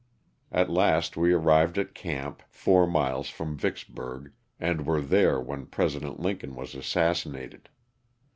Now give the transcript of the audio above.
At last we arrived at camp, four miles from Vicksburg, and were there when President Lincoln was assassi nated.